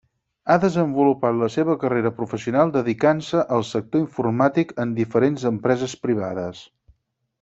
Ha desenvolupat la seva carrera professional dedicant-se al sector informàtic en diferents empreses privades.